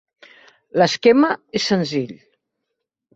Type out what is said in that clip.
L'esquema és senzill.